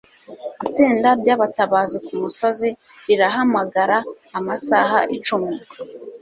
itsinda ryabatabazi kumusozi rirahamagara amasaha icumi